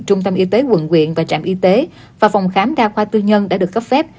trung tâm y tế quận quyện và trạm y tế và phòng khám đa khoa tư nhân đã được cấp phép